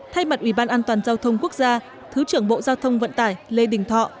thay mặt ủy ban an toàn giao thông quốc gia thứ trưởng bộ giao thông vận tải lê đình thọ